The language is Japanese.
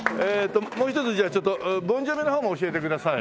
もう一つじゃあちょっとボン・ジョヴィの方も教えてください。